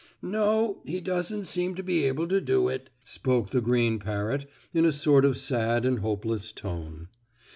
"No, he doesn't seem to be able to do it," spoke the green parrot, in a sort of sad and hopeless tone.